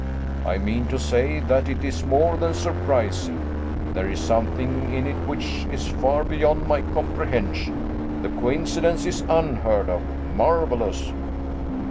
I mean to say, that it is more than surprising; there is something in it which is far beyond my comprehension. The coincidence is unheard of, marvelous!"